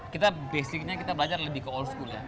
kita basicnya kita belajar lebih ke all school ya